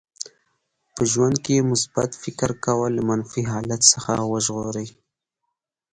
په ژوند کې مثبت فکر کول له منفي حالت څخه وژغوري.